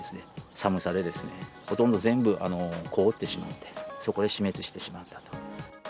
寒さでほとんど全部凍ってしまって、そこで死滅してしまったと。